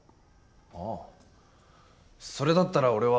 ああそれだったら俺は。